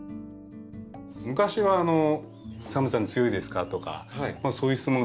昔は「寒さに強いですか？」とかそういう質問